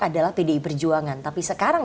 adalah pdi perjuangan tapi sekarang